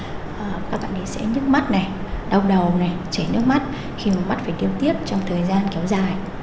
thứ ba thì trẻ có thể có biểu hiện là các bạn ấy sẽ nhức mắt đau đầu chảy nước mắt khi mà mắt phải điêu tiếp trong thời gian kéo dài